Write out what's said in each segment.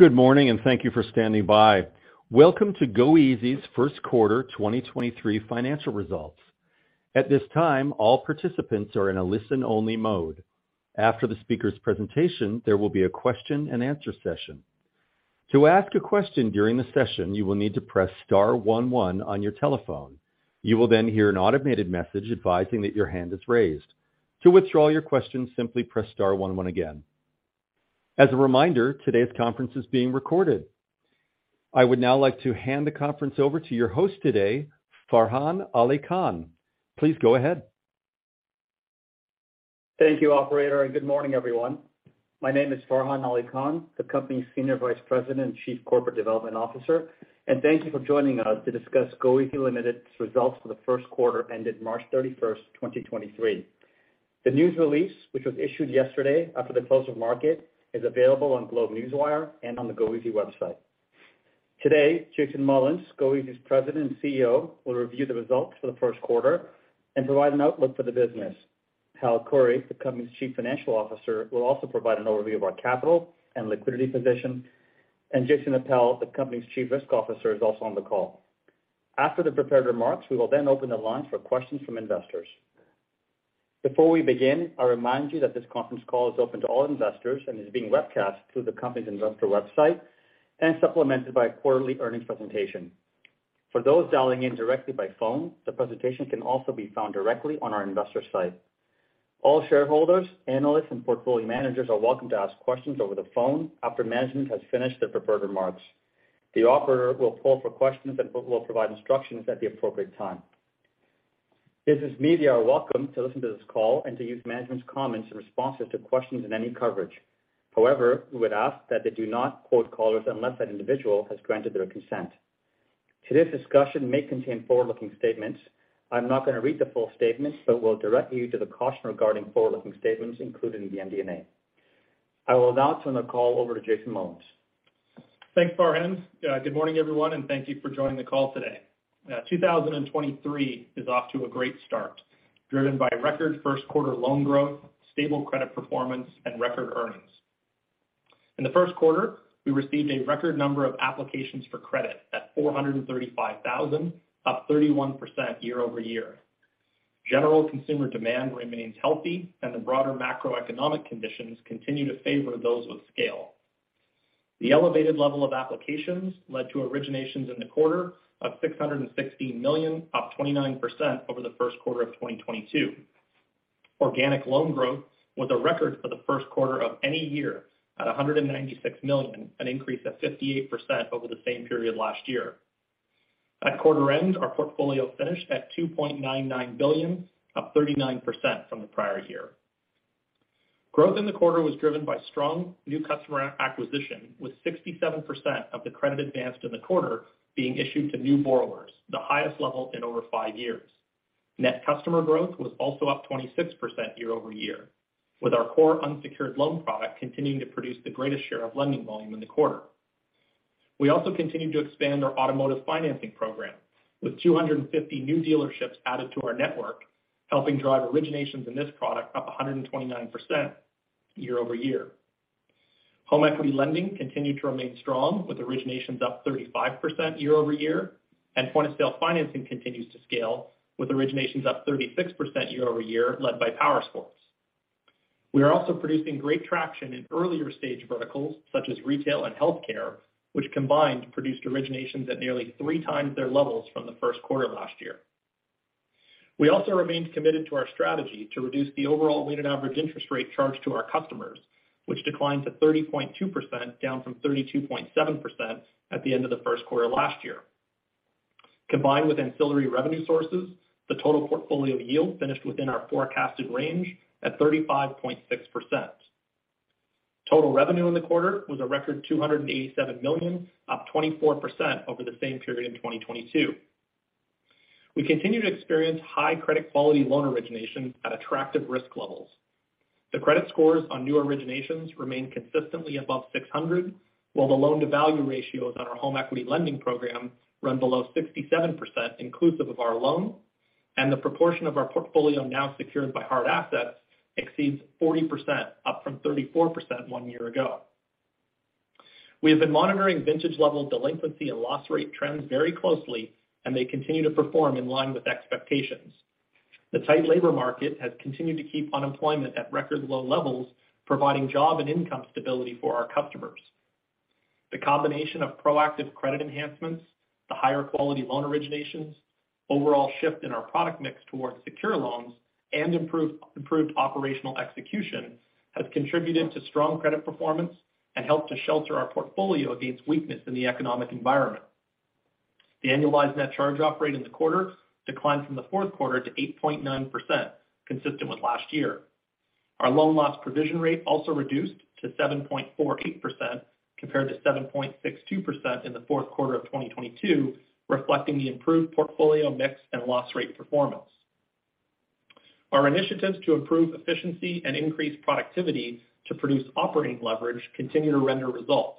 Good morning, and thank you for standing by. Welcome to goeasy's Q1 2023 financial results. At this time, all participants are in a listen-only mode. After the speaker's presentation, there will be a question-and-answer session. To ask a question during the session, you will need to press star one one on your telephone. You will then hear an automated message advising that your hand is raised. To withdraw your question, simply press star one one again. As a reminder, today's conference is being recorded. I would now like to hand the conference over to your host today, Farhan Ali Khan. Please go ahead. Thank you, operator, good morning, everyone. My name is Farhan Ali Khan, the company's Senior Vice President and Chief Corporate Development Officer. Thank you for joining us to discuss goeasy Ltd.'s results for the Q1 ended March 31st, 2023. The news release, which was issued yesterday after the close of market, is available on GlobeNewswire and on the goeasy website. Today, Jason Mullins, goeasy's President and CEO, will review the results for the Q1 and provide an outlook for the business. Hal Khouri, the company's Chief Financial Officer, will also provide an overview of our capital and liquidity position. Jason Appel, the company's Chief Risk Officer, is also on the call. After the prepared remarks, we will then open the lines for questions from investors. Before we begin, I'll remind you that this conference call is open to all investors and is being webcast through the company's investor website and supplemented by a quarterly earnings presentation. For those dialing in directly by phone, the presentation can also be found directly on our investor site. All shareholders, analysts, and portfolio managers are welcome to ask questions over the phone after management has finished their preferred remarks. The operator will poll for questions and will provide instructions at the appropriate time. Business media are welcome to listen to this call and to use management's comments in responses to questions in any coverage. We would ask that they do not quote callers unless that individual has granted their consent. Today's discussion may contain forward-looking statements. I'm not gonna read the full statement, but will direct you to the caution regarding forward-looking statements included in the MD&A. I will now turn the call over to Jason Mullins. Thanks, Farhan. Good morning, everyone, and thank you for joining the call today. 2023 is off to a great start, driven by record Q1 loan growth, stable credit performance, and record earnings. In the Q1, we received a record number of applications for credit at 435,000, up 31% year-over-year. General consumer demand remains healthy, and the broader macroeconomic conditions continue to favor those with scale. The elevated level of applications led to originations in the quarter of 660 million, up 29% over the Q1 of 2022. Organic loan growth was a record for the Q1 of any year at 196 million, an increase of 58% over the same period last year. At quarter end, our portfolio finished at 2.99 billion, up 39% from the prior year. Growth in the quarter was driven by strong new customer acquisition, with 67% of the credit advanced in the quarter being issued to new borrowers, the highest level in over five years. Net customer growth was also up 26% year-over-year, with our core unsecured loan product continuing to produce the greatest share of lending volume in the quarter. We also continued to expand our automotive financing program, with 250 new dealerships added to our network, helping drive originations in this product up 129% year-over-year. Home equity lending continued to remain strong, with originations up 35% year-over-year, and point-of-sale financing continues to scale, with originations up 36% year-over-year, led by powersports. We are also producing great traction in earlier stage verticals, such as retail and healthcare, which combined produced originations at nearly 3x their levels from the Q1 last year. We also remained committed to our strategy to reduce the overall weighted average interest rate charged to our customers, which declined to 30.2%, down from 32.7% at the end of the Q1 last year. Combined with ancillary revenue sources, the total portfolio yield finished within our forecasted range at 35.6%. Total revenue in the quarter was a record 287 million, up 24% over the same period in 2022. We continue to experience high credit quality loan originations at attractive risk levels. The credit scores on new originations remain consistently above 600, while the loan-to-value ratios on our home equity lending program run below 67%, inclusive of our loan, and the proportion of our portfolio now secured by hard assets exceeds 40%, up from 34% one year ago. We have been monitoring vintage-level delinquency and loss rate trends very closely, and they continue to perform in line with expectations. The tight labor market has continued to keep unemployment at record low levels, providing job and income stability for our customers. The combination of proactive credit enhancements, the higher quality loan originations, overall shift in our product mix towards secure loans, and improved operational execution has contributed to strong credit performance and helped to shelter our portfolio against weakness in the economic environment. The annualized net charge-off rate in the quarter declined from the Q4 to 8.9%, consistent with last year. Our loan loss provision rate also reduced to 7.48% compared to 7.62% in the Q4 of 2022, reflecting the improved portfolio mix and loss rate performance. Our initiatives to improve efficiency and increase productivity to produce operating leverage continue to render results.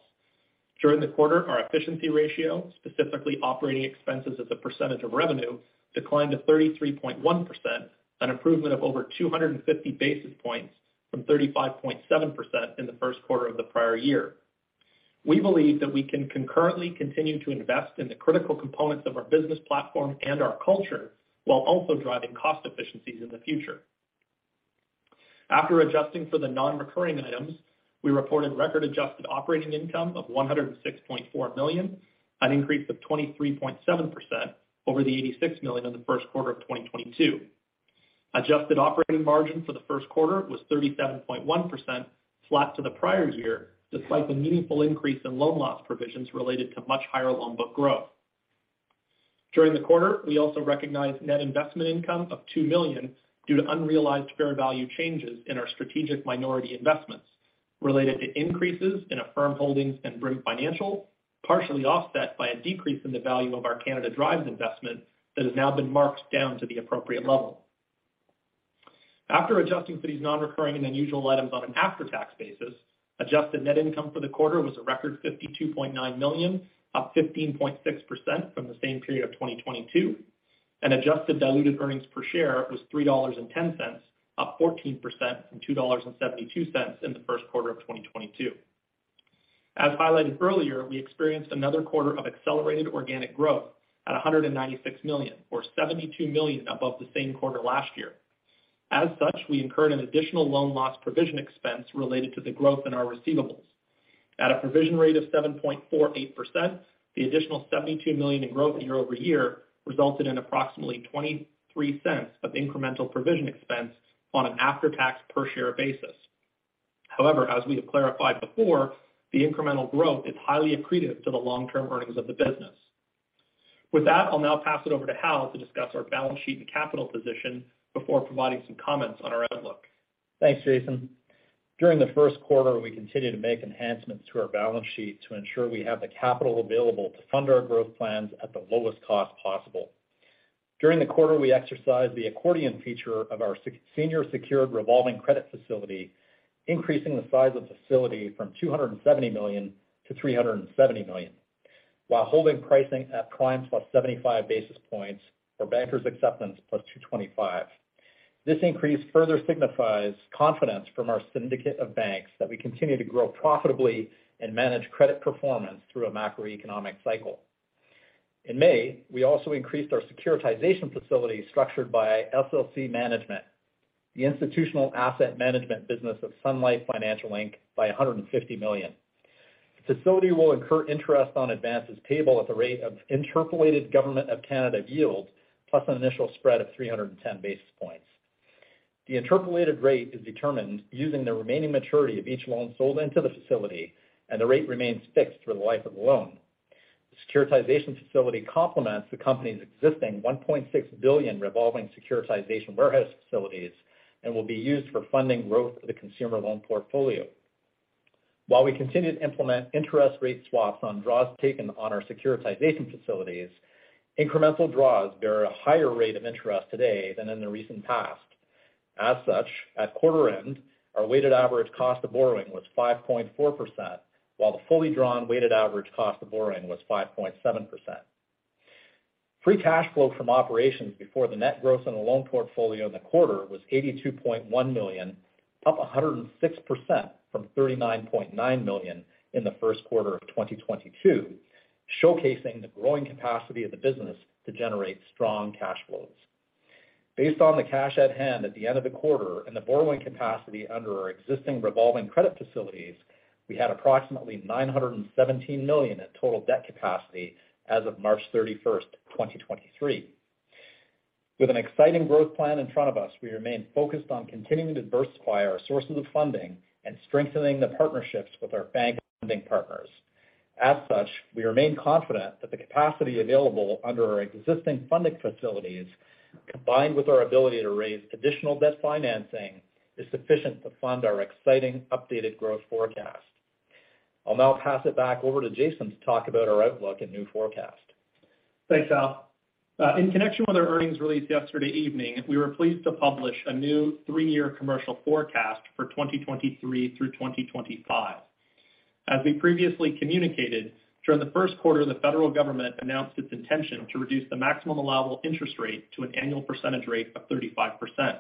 During the quarter, our efficiency ratio, specifically operating expenses as a percentage of revenue, declined to 33.1%, an improvement of over 250 basis points from 35.7% in the Q1 of the prior year. We believe that we can concurrently continue to invest in the critical components of our business platform and our culture while also driving cost efficiencies in the future. After adjusting for the non-recurring items, we reported record adjusted operating income of 106.4 million, an increase of 23.7% over the 86 million in the Q1 of 2022. Adjusted operating margin for the Q1 was 37.1%, flat to the prior year, despite the meaningful increase in loan loss provisions related to much higher loan book growth. During the quarter, we also recognized net investment income of 2 million due to unrealized fair value changes in our strategic minority investments related to increases in Affirm Holdings and Brim Financial, partially offset by a decrease in the value of our Canada Drives investment that has now been marked down to the appropriate level. After adjusting for these non-recurring and unusual items on an after-tax basis, adjusted net income for the quarter was a record 52.9 million, up 15.6% from the same period of 2022. Adjusted diluted earnings per share was 3.10 dollars up 14% from 2.72 in the Q1 of 2022. As highlighted earlier, we experienced another quarter of accelerated organic growth at 196 million or 72 million above the same quarter last year. As such, we incurred an additional loan loss provision expense related to the growth in our receivables. At a provision rate of 7.48%, the additional 72 million in growth year-over-year resulted in approximately 0.23 of incremental provision expense on an after-tax per share basis. As we have clarified before, the incremental growth is highly accretive to the long-term earnings of the business. With that, I'll now pass it over to Hal to discuss our balance sheet and capital position before providing some comments on our outlook. Thanks, Jason. During the Q1, we continued to make enhancements to our balance sheet to ensure we have the capital available to fund our growth plans at the lowest cost possible. During the quarter, we exercised the accordion feature of our senior secured revolving credit facility, increasing the size of the facility from $270 million to $370 million, while holding pricing at Prime plus 75 basis points for bankers' acceptance plus 225 basis points. This increase further signifies confidence from our syndicate of banks that we continue to grow profitably and manage credit performance through a macroeconomic cycle. In May, we also increased our securitization facility structured by SLC Management, the institutional asset management business of Sun Life Financial Inc., by $150 million. The facility will incur interest on advances payable at the rate of interpolated Government of Canada yield, plus an initial spread of 310 basis points. The interpolated rate is determined using the remaining maturity of each loan sold into the facility, and the rate remains fixed for the life of the loan. The securitization facility complements the company's existing 1.6 billion revolving securitization warehouse facilities and will be used for funding growth of the consumer loan portfolio. While we continue to implement interest rate swaps on draws taken on our securitization facilities, incremental draws bear a higher rate of interest today than in the recent past. As such, at quarter end, our weighted average cost of borrowing was 5.4%, while the fully drawn weighted average cost of borrowing was 5.7%. Free cash flow from operations before the net gross on the loan portfolio in the quarter was 82.1 million, up 106% from 39.9 million in the Q1 of 2022, showcasing the growing capacity of the business to generate strong cash flows. Based on the cash at hand at the end of the quarter and the borrowing capacity under our existing revolving credit facilities, we had approximately 917 million in total debt capacity as of March 31, 2023. With an exciting growth plan in front of us, we remain focused on continuing to diversify our sources of funding and strengthening the partnerships with our bank funding partners. As such, we remain confident that the capacity available under our existing funding facilities, combined with our ability to raise additional debt financing, is sufficient to fund our exciting updated growth forecast. I'll now pass it back over to Jason to talk about our outlook and new forecast. Thanks, Hal. In connection with our earnings release yesterday evening, we were pleased to publish a new three-year commercial forecast for 2023 through 2025. As we previously communicated, during the Q1, the federal government announced its intention to reduce the Maximum Allowable Interest Rate to an Annual Percentage Rate of 35%.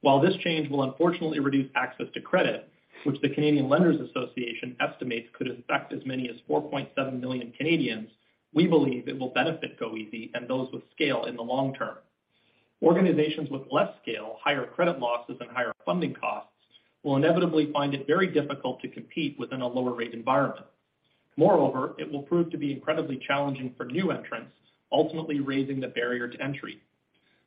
While this change will unfortunately reduce access to credit, which the Canadian Lenders Association estimates could affect as many as 4.7 million Canadians, we believe it will benefit goeasy and those with scale in the long term. Organizations with less scale, higher credit losses, and higher funding costs will inevitably find it very difficult to compete within a lower rate environment. Moreover, it will prove to be incredibly challenging for new entrants, ultimately raising the barrier to entry.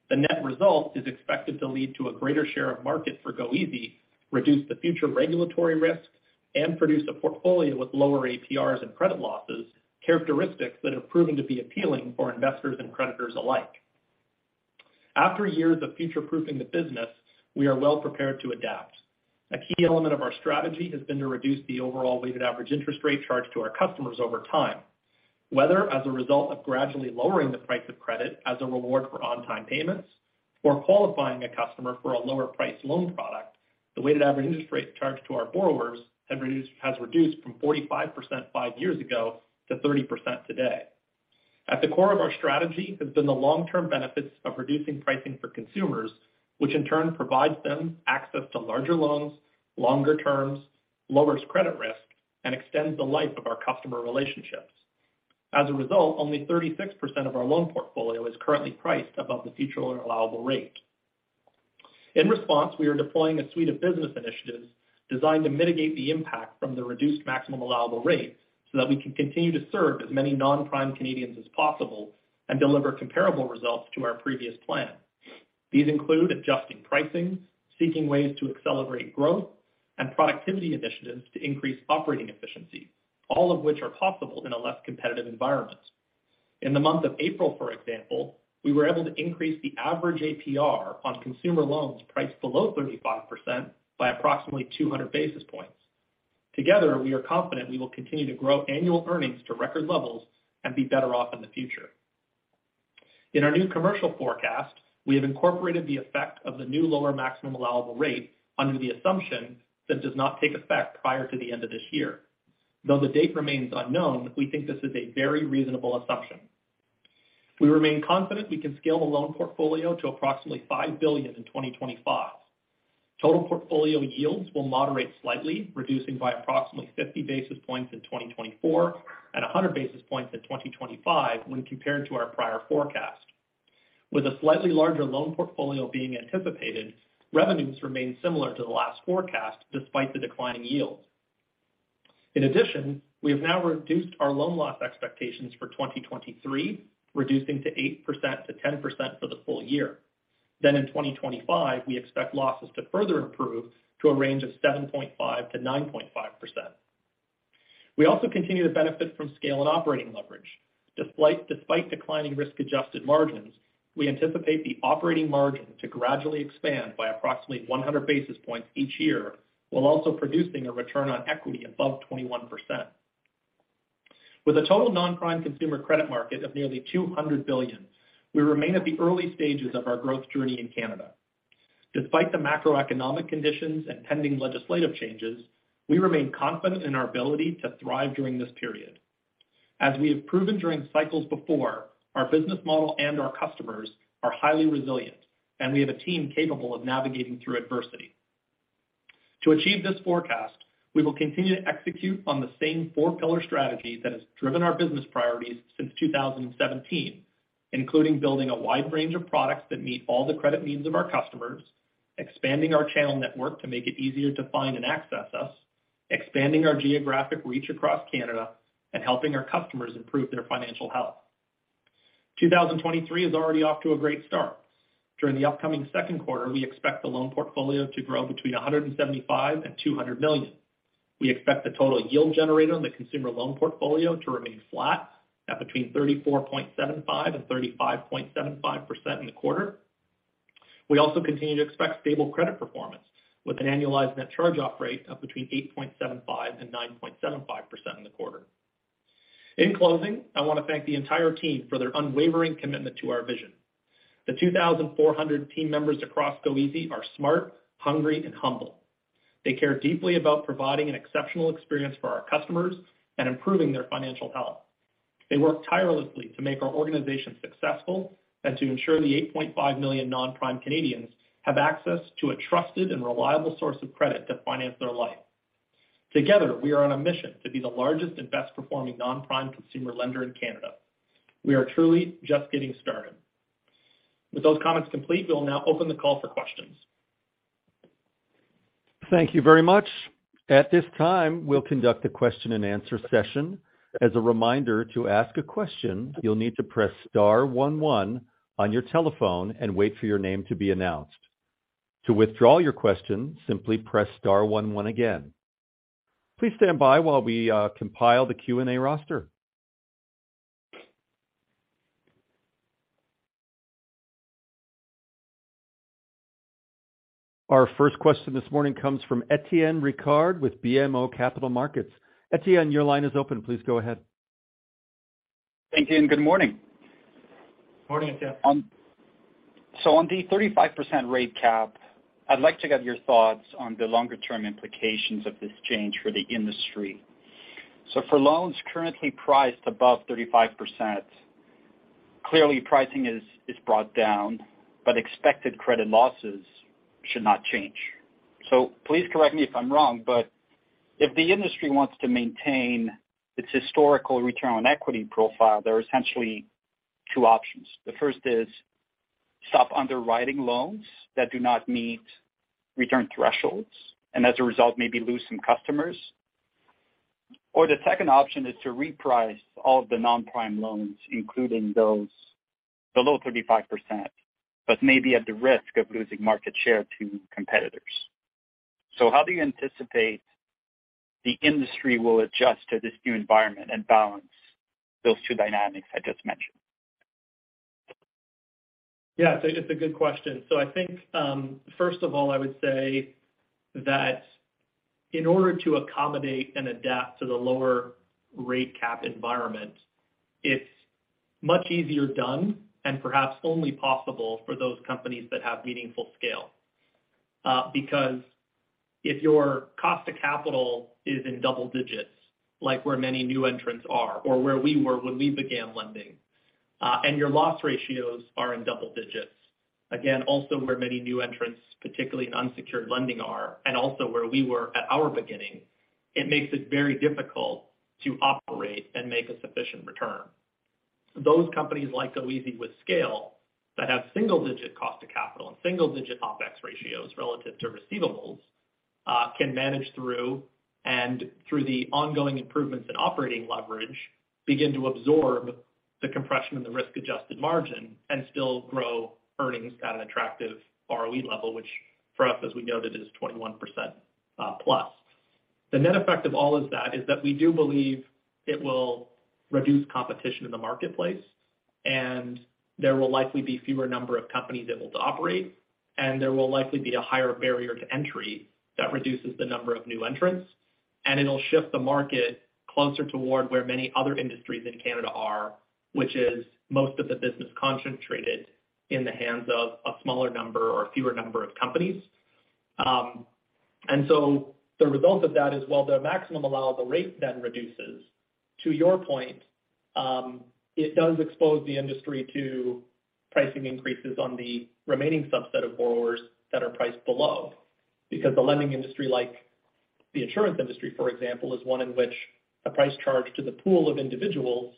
The net result is expected to lead to a greater share of market for goeasy, reduce the future regulatory risk, and produce a portfolio with lower APRs and credit losses, characteristics that have proven to be appealing for investors and creditors alike. After years of future-proofing the business, we are well-prepared to adapt. A key element of our strategy has been to reduce the overall weighted average interest rate charged to our customers over time. Whether as a result of gradually lowering the price of credit as a reward for on-time payments or qualifying a customer for a lower-priced loan product, the weighted average interest rate charged to our borrowers has reduced from 45% 5 years ago to 30% today. At the core of our strategy has been the long-term benefits of reducing pricing for consumers, which in turn provides them access to larger loans, longer terms, lowers credit risk, and extends the life of our customer relationships. As a result, only 36% of our loan portfolio is currently priced above the future allowable rate. In response, we are deploying a suite of business initiatives designed to mitigate the impact from the reduced maximum allowable rate so that we can continue to serve as many non-prime Canadians as possible and deliver comparable results to our previous plan. These include adjusting pricing, seeking ways to accelerate growth and productivity initiatives to increase operating efficiency, all of which are possible in a less competitive environment. In the month of April, for example, we were able to increase the average APR on consumer loans priced below 35% by approximately 200 basis points. Together, we are confident we will continue to grow annual earnings to record levels and be better off in the future. In our new commercial forecast, we have incorporated the effect of the new lower maximum allowable rate under the assumption that does not take effect prior to the end of this year. The date remains unknown, we think this is a very reasonable assumption. We remain confident we can scale the loan portfolio to approximately 5 billion in 2025. Total portfolio yields will moderate slightly, reducing by approximately 50 basis points in 2024 and 100 basis points in 2025 when compared to our prior forecast. With a slightly larger loan portfolio being anticipated, revenues remain similar to the last forecast despite the declining yields. In addition, we have now reduced our loan loss expectations for 2023, reducing to 8%-10% for the full year. In 2025, we expect losses to further improve to a range of 7.5%-9.5%. We also continue to benefit from scale and operating leverage. Despite declining risk-adjusted margins, we anticipate the operating margin to gradually expand by approximately 100 basis points each year, while also producing a return on equity above 21%. With a total non-prime consumer credit market of nearly 200 billion, we remain at the early stages of our growth journey in Canada. Despite the macroeconomic conditions and pending legislative changes, we remain confident in our ability to thrive during this period. As we have proven during cycles before, our business model and our customers are highly resilient, and we have a team capable of navigating through adversity. To achieve this forecast, we will continue to execute on the same four-pillar strategy that has driven our business priorities since 2017, including building a wide range of products that meet all the credit needs of our customers, expanding our channel network to make it easier to find and access us, expanding our geographic reach across Canada, and helping our customers improve their financial health. 2023 is already off to a great start. During the upcoming Q2, we expect the loan portfolio to grow between 175 million and 200 million. We expect the total yield generated on the consumer loan portfolio to remain flat at between 34.75% and 35.75% in the quarter. We also continue to expect stable credit performance with an annualized net charge-off rate of between 8.75% and 9.75% in the quarter. In closing, I wanna thank the entire team for their unwavering commitment to our vision. The 2,400 team members across goeasy are smart, hungry, and humble. They care deeply about providing an exceptional experience for our customers and improving their financial health. They work tirelessly to make our organization successful and to ensure the 8.5 million non-prime Canadians have access to a trusted and reliable source of credit to finance their life. Together, we are on a mission to be the largest and best-performing non-prime consumer lender in Canada. We are truly just getting started. With those comments complete, we'll now open the call for questions. Thank you very much. At this time, we'll conduct a question and answer session. As a reminder, to ask a question, you'll need to press star one one on your telephone and wait for your name to be announced. To withdraw your question, simply press star one one again. Please stand by while we compile the Q&A roster. Our first question this morning comes from Étienne Ricard with BMO Capital Markets. Etienne, your line is open. Please go ahead. Thank you. Good morning. Morning, Étienne. On the 35% rate cap, I'd like to get your thoughts on the longer-term implications of this change for the industry. For loans currently priced above 35%, clearly pricing is brought down, but expected credit losses should not change. Please correct me if I'm wrong, but if the industry wants to maintain its historical return on equity profile, there are essentially two options. The first is stop underwriting loans that do not meet return thresholds, and as a result, maybe lose some customers. The second option is to reprice all of the non-prime loans, including those below 35%, but maybe at the risk of losing market share to competitors. How do you anticipate the industry will adjust to this new environment and balance those two dynamics I just mentioned? It's a good question. I think, first of all, I would say that in order to accommodate and adapt to the lower rate cap environment, it's much easier done and perhaps only possible for those companies that have meaningful scale. Because if your cost to capital is in double digits, like where many new entrants are or where we were when we began lending, and your loss ratios are in double digits, again, also where many new entrants, particularly in unsecured lending are, and also where we were at our beginning, it makes it very difficult to operate and make a sufficient return. Those companies like goeasy with scale that have single digit cost to capital and single digit OpEx ratios relative to receivables, can manage through and through the ongoing improvements in operating leverage, begin to absorb the compression and the risk-adjusted margin and still grow earnings at an attractive ROE level, which for us, as we know, that is 21%+. The net effect of all is that we do believe it will reduce competition in the marketplace, and there will likely be fewer number of companies able to operate, and there will likely be a higher barrier to entry that reduces the number of new entrants. It'll shift the market closer toward where many other industries in Canada are, which is most of the business concentrated in the hands of a smaller number or fewer number of companies. The result of that is, while the maximum allowable rate then reduces, to your point, it does expose the industry to pricing increases on the remaining subset of borrowers that are priced below. Because the lending industry, like the insurance industry, for example, is one in which a price charge to the pool of individuals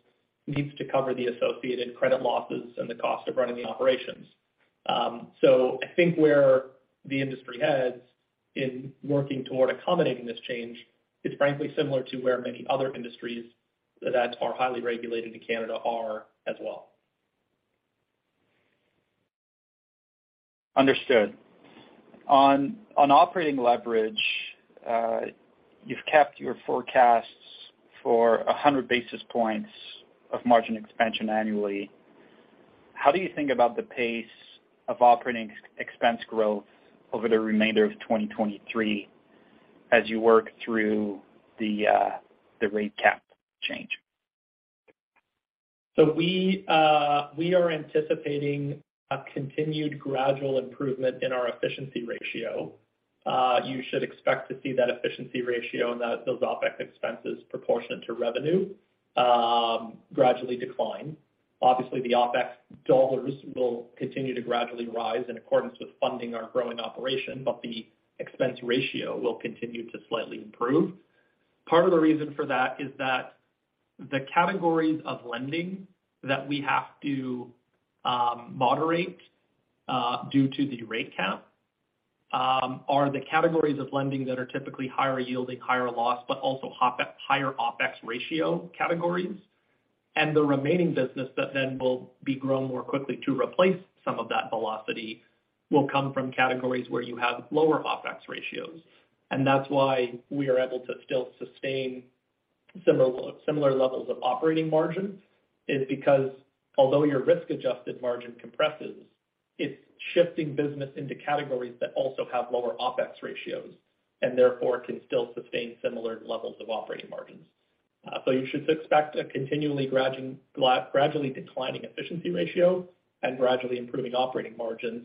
needs to cover the associated credit losses and the cost of running the operations. I think where the industry heads in working toward accommodating this change is frankly similar to where many other industries that are highly regulated in Canada are as well. Understood. On operating leverage, you've kept your forecasts for 100 basis points of margin expansion annually. How do you think about the pace of operating expense growth over the remainder of 2023 as you work through the rate cap change? We are anticipating a continued gradual improvement in our efficiency ratio. You should expect to see that efficiency ratio and that those OpEx expenses proportionate to revenue, gradually decline. Obviously, the OpEx dollars will continue to gradually rise in accordance with funding our growing operation, but the expense ratio will continue to slightly improve. Part of the reason for that is that the categories of lending that we have to moderate due to the rate cap are the categories of lending that are typically higher yielding, higher loss, but also higher OpEx ratio categories. The remaining business that then will be grown more quickly to replace some of that velocity will come from categories where you have lower OpEx ratios. That's why we are able to still sustain similar levels of operating margin is because although your risk-adjusted margin compresses, it's shifting business into categories that also have lower OpEx ratios and therefore can still sustain similar levels of operating margins. You should expect a continually gradually declining efficiency ratio and gradually improving operating margins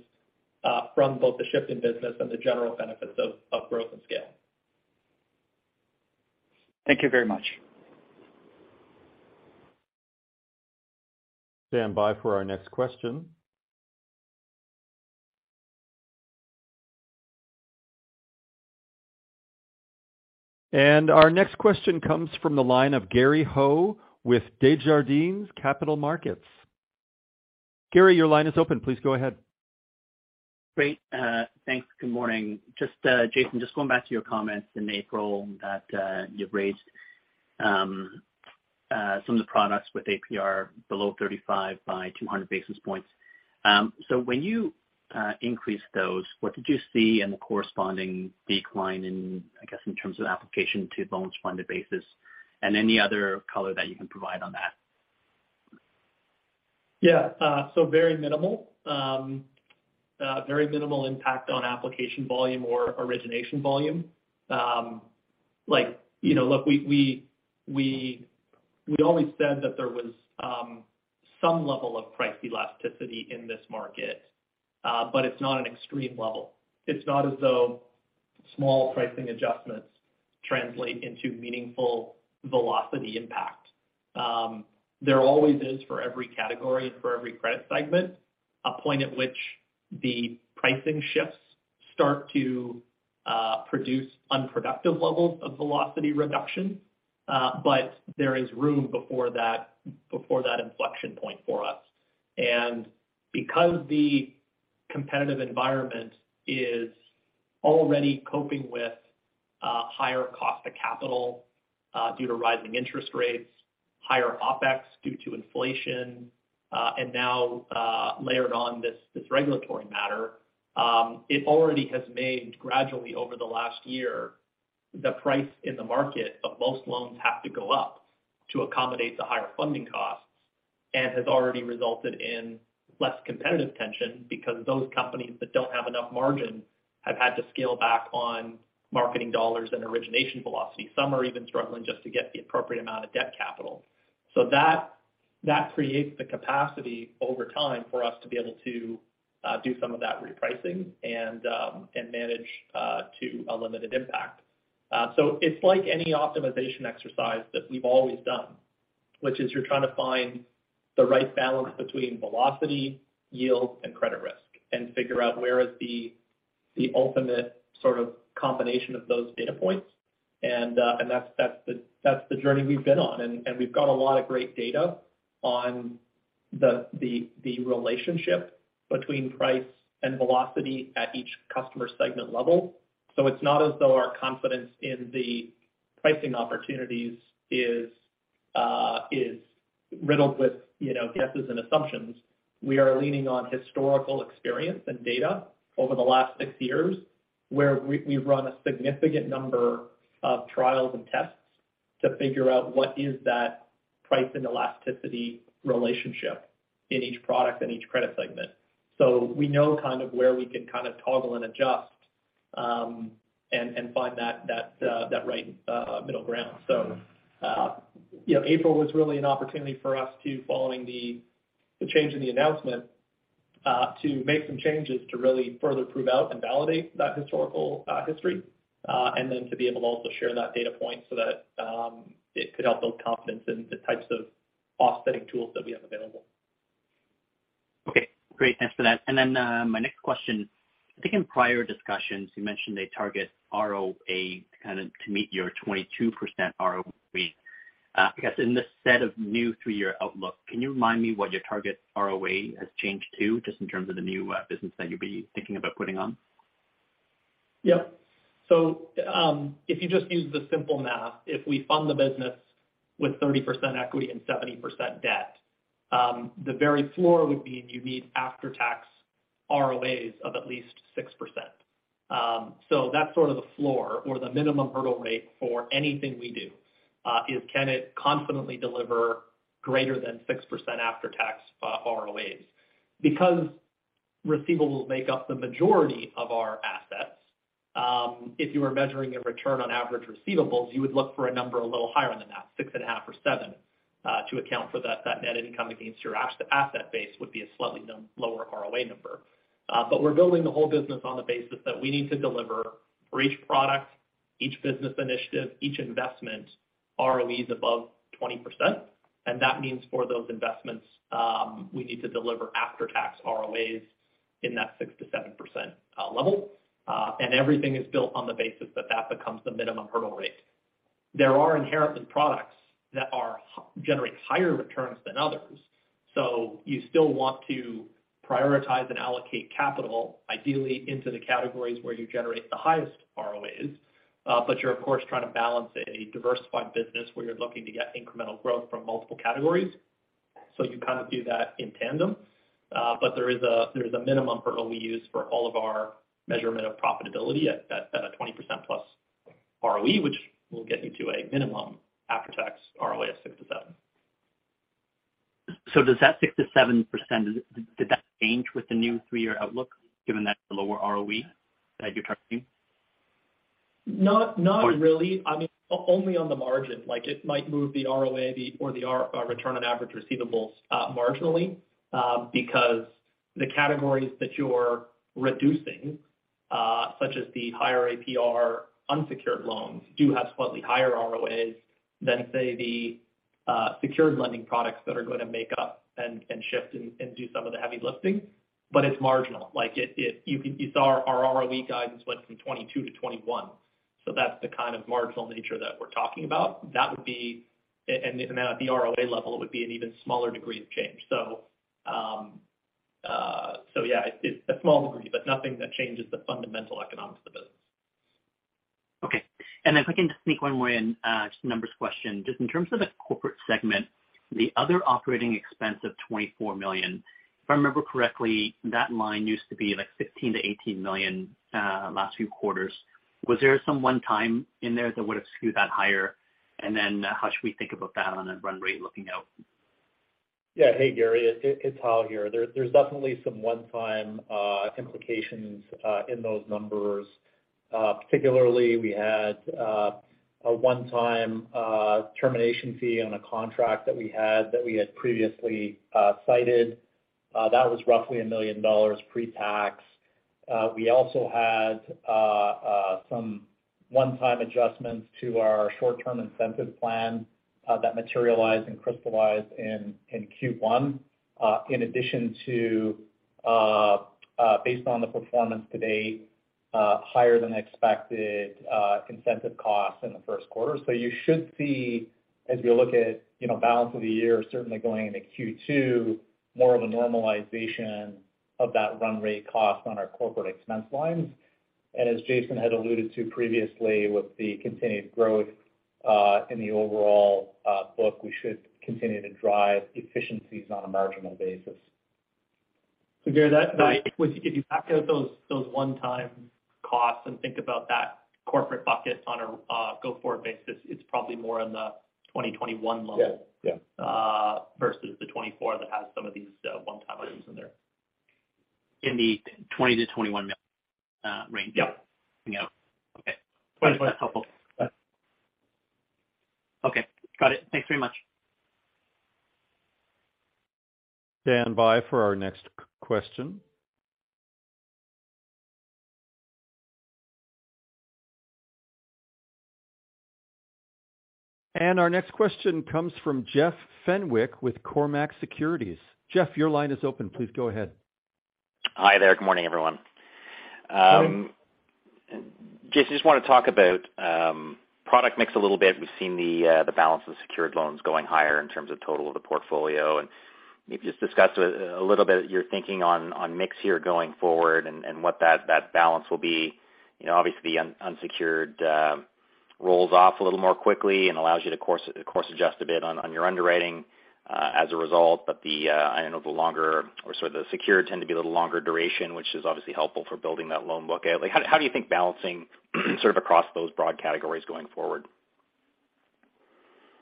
from both the shift in business and the general benefits of growth and scale. Thank you very much. Stand by for our next question. Our next question comes from the line of Gary Ho with Desjardins Capital Markets. Gary, your line is open. Please go ahead. Great. Thanks. Good morning. Just, Jason, just going back to your comments in April that, you've raised, some of the products with APR below 35 by 200 basis points. When you increased those, what did you see in the corresponding decline in, I guess, in terms of application to loans funded basis and any other color that you can provide on that? Yeah. Very minimal. Very minimal impact on application volume or origination volume. Like, you know, look, we'd always said that there was some level of price elasticity in this market, but it's not an extreme level. It's not as though small pricing adjustments translate into meaningful velocity impact. There always is for every category and for every credit segment, a point at which the pricing shifts start to produce unproductive levels of velocity reduction. There is room before that, before that inflection point for us. Because the competitive environment is already coping with higher cost of capital due to rising interest rates, higher OpEx due to inflation, and now layered on this regulatory matter, it already has made gradually over the last year, the price in the market of most loans have to go up to accommodate the higher funding costs and has already resulted in less competitive tension because those companies that don't have enough margin have had to scale back on marketing dollars and origination velocity. Some are even struggling just to get the appropriate amount of debt capital. That creates the capacity over time for us to be able to do some of that repricing and manage to a limited impact. It's like any optimization exercise that we've always done, which is you're trying to find the right balance between velocity, yield, and credit risk, and figure out where is the ultimate sort of combination of those data points. That's, that's the journey we've been on. We've got a lot of great data on the relationship between price and velocity at each customer segment level. It's not as though our confidence in the pricing opportunities is riddled with, you know, guesses and assumptions. We are leaning on historical experience and data over the last six years, where we've run a significant number of trials and tests to figure out what is that price and elasticity relationship in each product and each credit segment. We know kind of where we can kind of toggle and adjust, and find that, that right, middle ground. You know, April was really an opportunity for us to, following the change in the announcement, to make some changes to really further prove out and validate that historical, history, and then to be able to also share that data point so that, it could help build confidence in the types of offsetting tools that we have available. Okay, great. Thanks for that. My next question. I think in prior discussions, you mentioned a target ROA kind of to meet your 22% ROE. I guess in this set of new three-year outlook, can you remind me what your target ROA has changed to, just in terms of the new business that you'll be thinking about putting on? If you just use the simple math, if we fund the business with 30% equity and 70% debt, the very floor would be you need after-tax ROAs of at least 6%. That's sort of the floor or the minimum hurdle rate for anything we do, is can it confidently deliver greater than 6% after tax ROAs. Because receivables make up the majority of our assets, if you were measuring a return on average receivables, you would look for a number a little higher than that, 6.5 or 7, to account for that net income against your as-asset base would be a slightly lower ROA number. We're building the whole business on the basis that we need to deliver for each product, each business initiative, each investment ROEs above 20%. That means for those investments, we need to deliver after-tax ROAs in that 6%-7% level. Everything is built on the basis that that becomes the minimum hurdle rate. There are inherently products that are generate higher returns than others. You still want to prioritize and allocate capital, ideally into the categories where you generate the highest ROAs. You're of course, trying to balance a diversified business where you're looking to get incremental growth from multiple categories. You kind of do that in tandem. There is a minimum hurdle we use for all of our measurement of profitability at that 20%+ ROE, which will get you to a minimum after tax ROA of 6-7%. Does that 6%-7% did that change with the new THREE-year outlook, given that the lower ROE that you're targeting? Not really. I mean, only on the margin. Like it might move the ROA, or the return on average receivables, marginally, because the categories that you're reducing, such as the higher APR unsecured loans, do have slightly higher ROAs than, say, the secured lending products that are going to make up and shift and do some of the heavy lifting. It's marginal. Like it, you saw our ROE guidance went from 22 to 21. That's the kind of marginal nature that we're talking about. That would be and at the ROA level, it would be an even smaller degree of change. Yeah, it's a small degree, but nothing that changes the fundamental economics of the business. Okay. If I can just sneak one more in, just a numbers question. Just in terms of the corporate segment, the other operating expense of 24 million. If I remember correctly, that line used to be like 15-18 million, last few quarters. Was there some one-time in there that would have skewed that higher? How should we think about that on a run rate looking out? Yeah. Hey, Gary, it's Hal here. There's definitely some one-time implications in those numbers. Particularly we had a one-time termination fee on a contract that we had previously cited. That was roughly $1 million pre-tax. We also had some one-time adjustments to our short-term incentive plan that materialized and crystallized in Q1, in addition to, based on the performance to date, higher than expected incentive costs in the Q1. You should see as we look at, you know, balance of the year, certainly going into Q2, more of a normalization of that run rate cost on our corporate expense lines. As Jason had alluded to previously, with the continued growth in the overall book, we should continue to drive efficiencies on a marginal basis. Gary, that if you back out those one-time costs and think about that corporate bucket on a go-forward basis, it's probably more in the 2021 level. Yeah. Yeah. Versus the 24 that has some of these, one-time items in there. In the 20 million-21 million range. Yep. Okay. That's helpful. Okay. Got it. Thanks very much. Stand by for our next question. Our next question comes from Jeff Fenwick with Cormark Securities. Jeff, your line is open. Please go ahead. Hi there. Good morning, everyone. Jason, just wanna talk about product mix a little bit. We've seen the balance of secured loans going higher in terms of total of the portfolio, and maybe just discuss a little bit your thinking on mix here going forward and what that balance will be. You know, obviously unsecured rolls off a little more quickly and allows you to course adjust a bit on your underwriting as a result. I know the longer or sorry, the secured tend to be a little longer duration, which is obviously helpful for building that loan book. Like, how do you think balancing sort of across those broad categories going forward?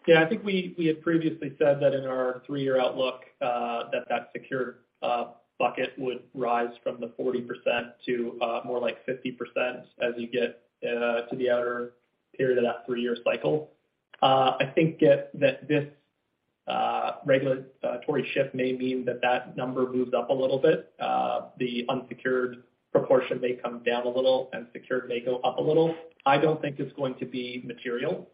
Yeah. I think we had previously said that in our three-year outlook, that secured bucket would rise from the 40% to more like 50% as you get to the outer period of that three-year cycle. I think that this regulatory shift may mean that the number moves up a little bit. The unsecured proportion may come down a little and secured may go up a little. I don't think it's going to be material.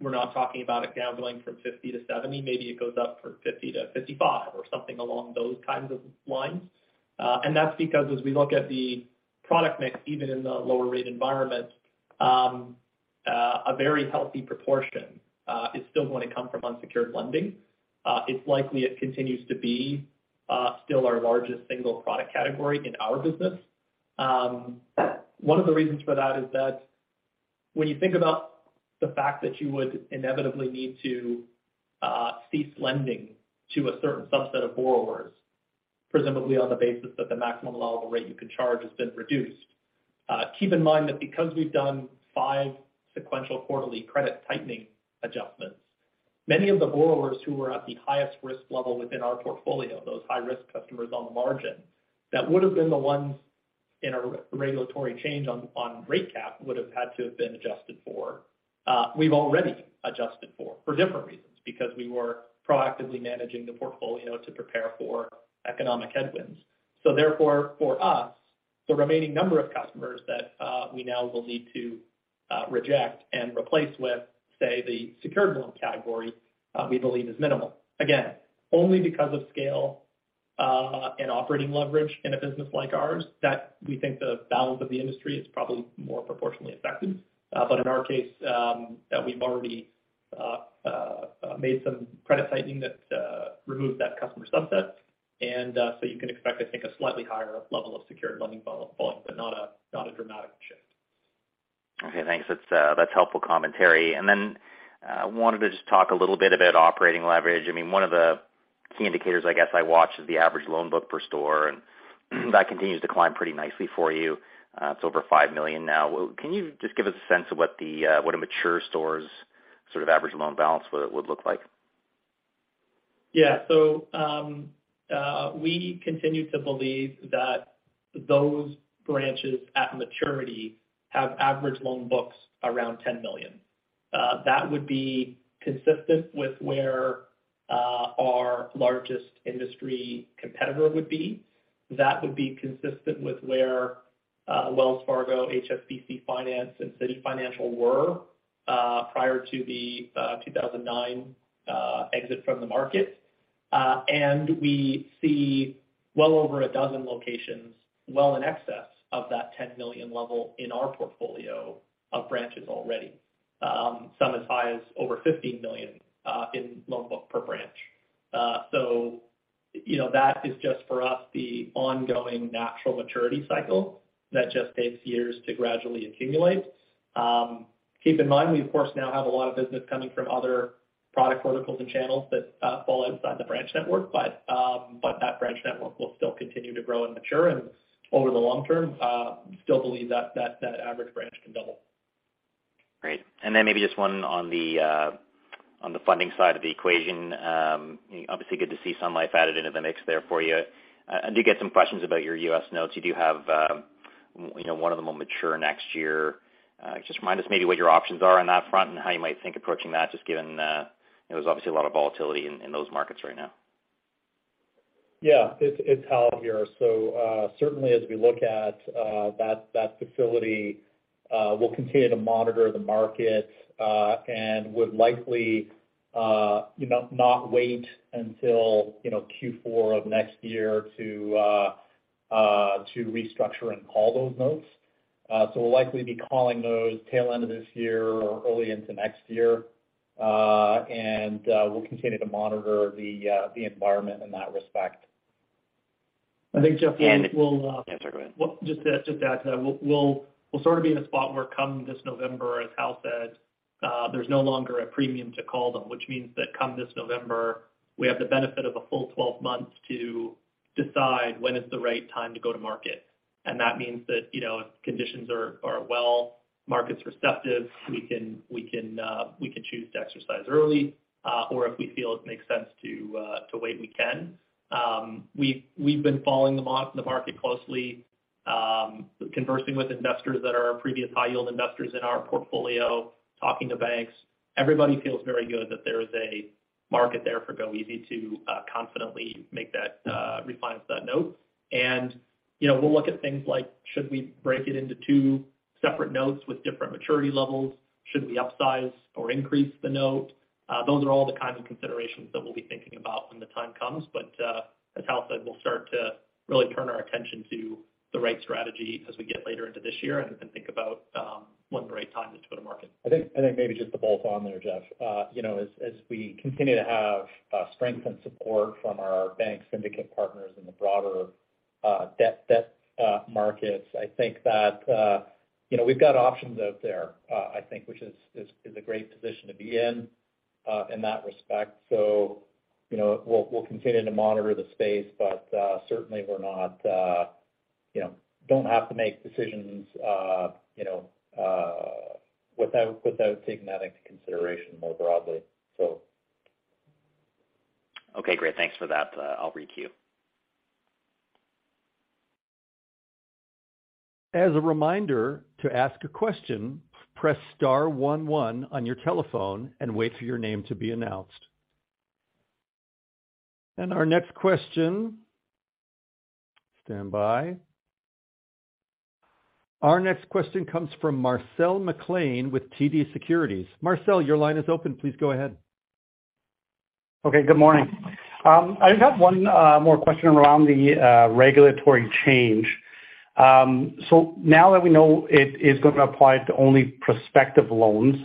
We're not talking about it gambling from 50 to 70. Maybe it goes up from 50 to 55 or something along those kinds of lines. That's because as we look at the product mix, even in the lower rate environment, a very healthy proportion is still gonna come from unsecured lending. It's likely it continues to be, still our largest single product category in our business. One of the reasons for that is that when you think about the fact that you would inevitably need to, cease lending to a certain subset of borrowers, presumably on the basis that the maximum allowable rate you can charge has been reduced, keep in mind that because we've done five sequential quarterly credit tightening adjustments, many of the borrowers who were at the highest risk level within our portfolio, those high-risk customers on the margin, that would have been the ones in a re-regulatory change on rate cap would have had to have been adjusted for, we've already adjusted for different reasons because we were proactively managing the portfolio to prepare for economic headwinds. Therefore, for us, the remaining number of customers that we now will need to reject and replace with, say, the secured loan category, we believe is minimal. Again, only because of scale, and operating leverage in a business like ours that we think the balance of the industry is probably more proportionally affected. In our case, that we've already made some credit tightening that removed that customer subset. You can expect, I think, a slightly higher level of secured lending falling, but not a dramatic shift. Okay. Thanks. That's, that's helpful commentary. Then, wanted to just talk a little bit about operating leverage. I mean, one of the key indicators I guess I watch is the average loan book per store, and that continues to climb pretty nicely for you. It's over 5 million now. Can you just give us a sense of what the, what a mature store's sort of average loan balance would look like? We continue to believe that those branches at maturity have average loan books around 10 million. That would be consistent with where our largest industry competitor would be. That would be consistent with where Wells Fargo, HSBC Finance, and CitiFinancial were prior to the 2009 exit from the market. And we see well over a dozen locations well in excess of that 10 million level in our portfolio of branches already, some as high as over 15 million in loan book per branch. You know, that is just for us the ongoing natural maturity cycle that just takes years to gradually accumulate. Keep in mind, we of course now have a lot of business coming from other product verticals and channels that fall outside the branch network. That branch network will still continue to grow and mature and over the long term, still believe that average branch can double. Great. Maybe just one on the on the funding side of the equation. Obviously good to see Sun Life added into the mix there for you. I do get some questions about your U.S. notes. You do have, you know, one of them will mature next year. Just remind us maybe what your options are on that front and how you might think approaching that, just given, there's obviously a lot of volatility in those markets right now. Yeah. It's Hal here. Certainly as we look at that facility, we'll continue to monitor the market and would likely, you know, not wait until, you know, Q4 of next year to restructure and call those notes. We'll likely be calling those tail end of this year or early into next year. We'll continue to monitor the environment in that respect. I think, Jeff. Yeah. Sorry, go ahead. Just to add to that, we'll sort of be in a spot where come this November, as Hal said, there's no longer a premium to call them, which means that come this November, we have the benefit of a full 12 months to decide when is the right time to go to market. That means that, you know, if conditions are well, market's receptive, we can choose to exercise early, or if we feel it makes sense to wait, we can. We've been following the market closely, conversing with investors that are previous high-yield investors in our portfolio, talking to banks. Everybody feels very good that there is a market there for goeasy to confidently refinance that note. You know, we'll look at things like should we break it into two separate notes with different maturity levels? Should we upsize or increase the note? Those are all the kinds of considerations that we'll be thinking about when the time comes. As Hal said, we'll start to really turn our attention to the right strategy as we get later into this year, and we can think about when the right time is to go to market. I think maybe just to bolt on there, Jeff. You know, as we continue to have strength and support from our bank syndicate partners in the broader debt markets, I think that, you know, we've got options out there, I think, which is a great position to be in that respect. You know, we'll continue to monitor the space, but certainly we're not, you know, don't have to make decisions, you know, without taking that into consideration more broadly, so. Okay, great. Thanks for that. I'll requeue. As a reminder, to ask a question, press star 1 1 on your telephone and wait for your name to be announced. Our next question. Standby. Our next question comes from Marcel McLean with TD Securities. Marcel, your line is open. Please go ahead. Okay, good morning. I just have one more question around the regulatory change. Now that we know it is gonna apply to only prospective loans,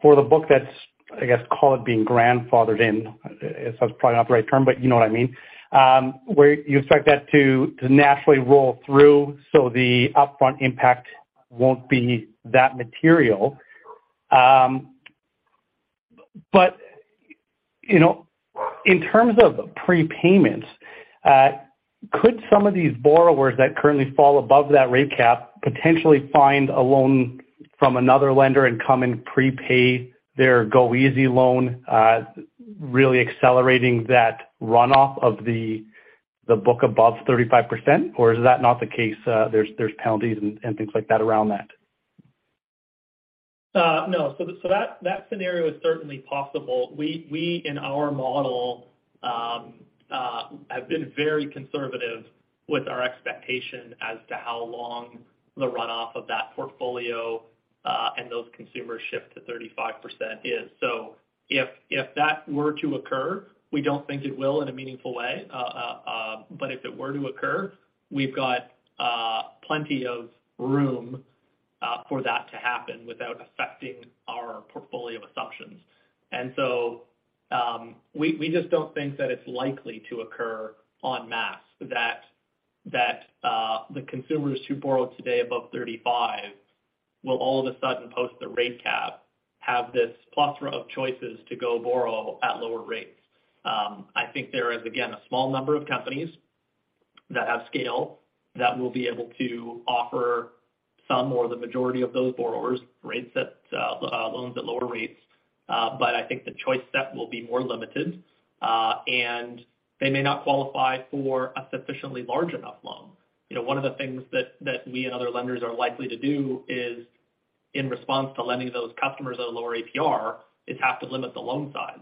for the book that's, I guess, call it being grandfathered in, it's probably not the right term, but you know what I mean. Where you expect that to naturally roll through so the upfront impact won't be that material. You know, in terms of prepayments, could some of these borrowers that currently fall above that rate cap potentially find a loan from another lender and come and prepay their goeasy loan, really accelerating that runoff of the book above 35%? Is that not the case, there's penalties and things like that around that? No. That scenario is certainly possible. We in our model have been very conservative with our expectation as to how long the runoff of that portfolio and those consumers shift to 35% is. If that were to occur, we don't think it will in a meaningful way, but if it were to occur, we've got plenty of room for that to happen without affecting our portfolio of assumptions. We just don't think that it's likely to occur en masse, that the consumers who borrow today above 35 will all of a sudden post the rate cap, have this plethora of choices to go borrow at lower rates. I think there is, again, a small number of companies that have scale that will be able to offer some or the majority of those borrowers rates that, loans at lower rates. I think the choice set will be more limited, and they may not qualify for a sufficiently large enough loan. You know, one of the things that we and other lenders are likely to do is, in response to lending those customers at a lower APR, is have to limit the loan size.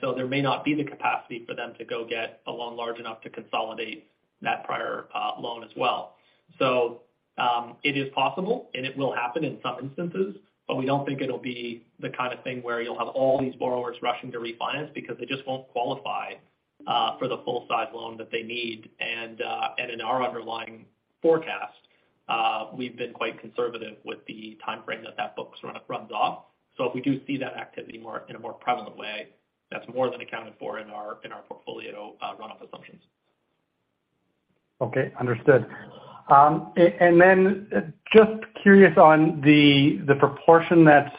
There may not be the capacity for them to go get a loan large enough to consolidate that prior, loan as well. It is possible, and it will happen in some instances, but we don't think it'll be the kind of thing where you'll have all these borrowers rushing to refinance because they just won't qualify for the full size loan that they need. In our underlying forecast, we've been quite conservative with the timeframe that that book's gonna run off. If we do see that activity in a more prevalent way, that's more than accounted for in our, in our portfolio, runoff assumptions. Okay, understood. Then just curious on the proportion that's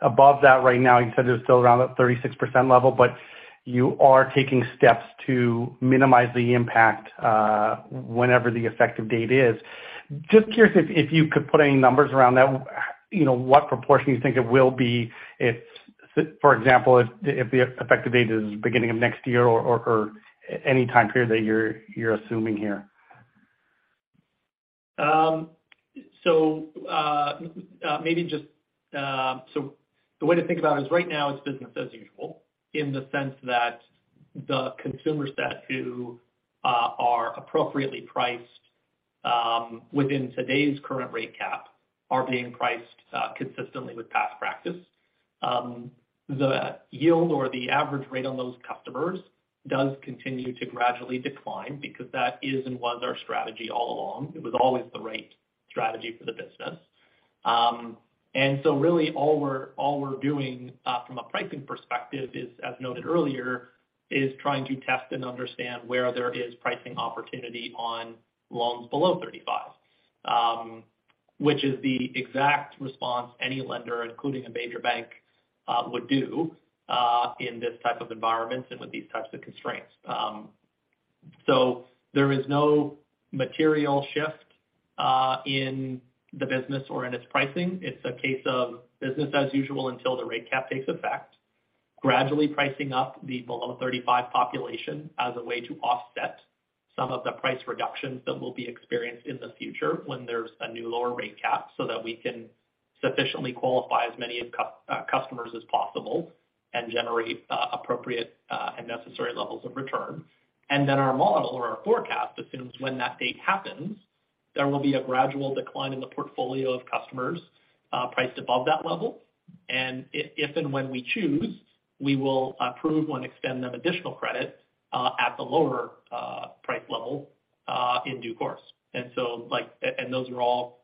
above that right now. You said it's still around that 36% level, but you are taking steps to minimize the impact whenever the effective date is. Just curious if you could put any numbers around that, you know, what proportion you think it will be if, for example, if the effective date is beginning of next year or any time period that you're assuming here. The way to think about it is right now it's business as usual, in the sense that the consumers that who are appropriately priced within today's current rate cap are being priced consistently with past practice. The yield or the average rate on those customers does continue to gradually decline because that is and was our strategy all along. It was always the right strategy for the business. Really all we're doing from a pricing perspective is, as noted earlier, is trying to test and understand where there is pricing opportunity on loans below 35% Which is the exact response any lender, including a major bank, would do in this type of environment and with these types of constraints. There is no material shift in the business or in its pricing. It's a case of business as usual until the rate cap takes effect. Gradually pricing up the below 35 population as a way to offset some of the price reductions that will be experienced in the future when there's a new lower rate cap, so that we can sufficiently qualify as many customers as possible and generate appropriate and necessary levels of return. Our model or our forecast assumes when that date happens, there will be a gradual decline in the portfolio of customers priced above that level. If and when we choose, we will approve and extend them additional credit at the lower price level in due course and those are all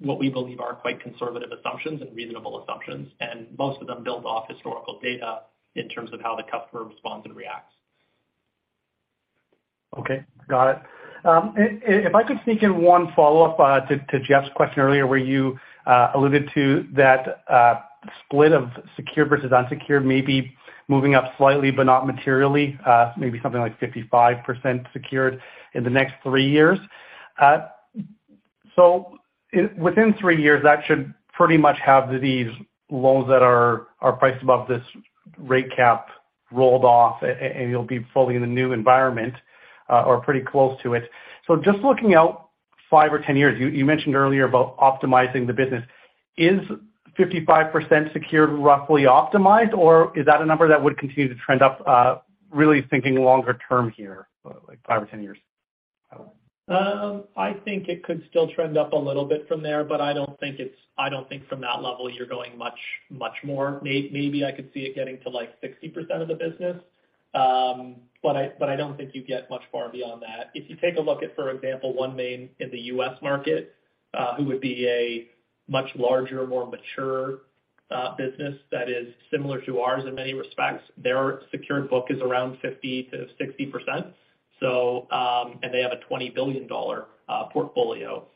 what we believe are quite conservative assumptions and reasonable assumptions, and most of them build off historical data in terms of how the customer responds and reacts. Okay. Got it. If I could sneak in one follow-up to Jeff's question earlier, where you alluded to that split of secured versus unsecured, maybe moving up slightly but not materially, maybe something like 55% secured in the next three years. Within three years, that should pretty much have these loans that are priced above this rate cap rolled off and you'll be fully in the new environment or pretty close to it. Just looking out five or 10 years, you mentioned earlier about optimizing the business. Is 55% secured, roughly optimized, or is that a number that would continue to trend up, really thinking longer term here, like five or 10 years? I think it could still trend up a little bit from there, but I don't think from that level you're going much more. Maybe I could see it getting to, like, 60% of the business. I don't think you get much far beyond that. If you take a look at, for example, OneMain in the U.S. market, who would be a much larger, more mature business that is similar to ours in many respects, their secured book is around 50%-60%. They have a $20 billion portfolio.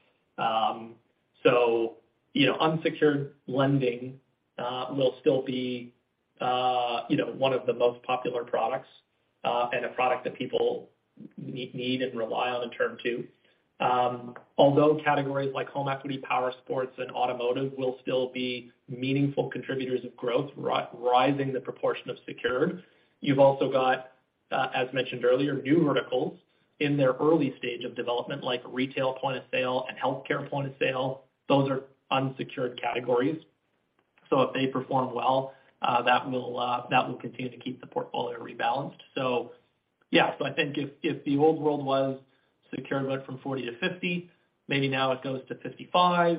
You know, unsecured lending will still be, you know, one of the most popular products, and a product that people need and rely on and turn to. Although categories like home equity, powersports and automotive will still be meaningful contributors of growth, rising the proportion of secured. You've also got, as mentioned earlier, new verticals in their early stage of development, like retail point-of-sale and healthcare point-of-sale. Those are unsecured categories. If they perform well, that will continue to keep the portfolio rebalanced. Yeah. I think if the old world was secured right from 40-50, maybe now it goes to 55,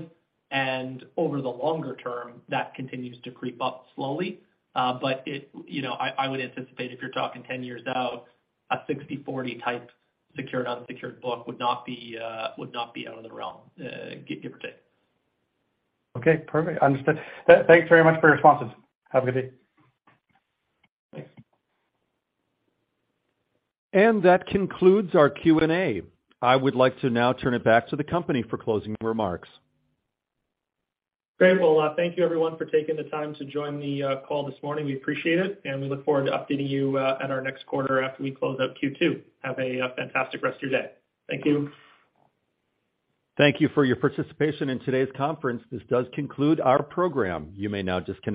and over the longer term, that continues to creep up slowly. You know, I would anticipate if you're talking 10 years out, a 60/40 type secured/unsecured book would not be, would not be out of the realm, give or take. Okay. Perfect. Understood. Thanks very much for your responses. Have a good day. Thanks. That concludes our Q&A. I would like to now turn it back to the company for closing remarks. Great. Well, thank you everyone for taking the time to join the call this morning. We appreciate it and we look forward to updating you at our next quarter after we close out Q2. Have a fantastic rest of your day. Thank you. Thank you for your participation in today's conference. This does conclude our program. You may now disconnect.